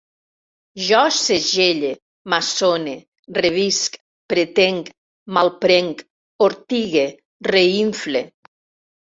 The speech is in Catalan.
Jo segelle, maçone, revisc, pretenc, malprenc, ortigue, reinfle